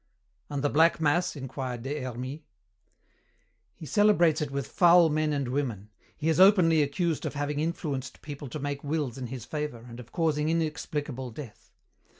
"And the black mass?" inquired Des Hermies. "He celebrates it with foul men and women. He is openly accused of having influenced people to make wills in his favor and of causing inexplicable death.